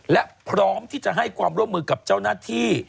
และพร้อมที่จะให้ความร่วมมือกับเจ้าหน้าที่